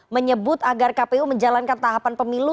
menyebut agar kpu menjalankan tahapan pemilu